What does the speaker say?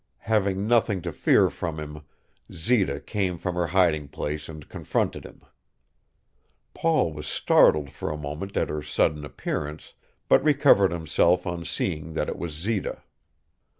Having nothing to fear from him, Zita came from her hiding place and confronted him. Paul was startled for a moment at her sudden appearance, but recovered himself on seeing that it was Zita.